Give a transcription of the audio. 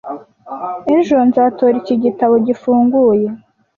ejo nzatora iki gitabo gifunguye